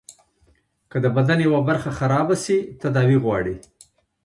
که د بدن يوه برخه خرابه سي تداوي غواړي.